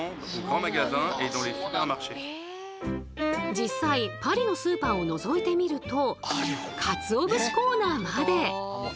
実際パリのスーパーをのぞいてみるとかつお節コーナーまで！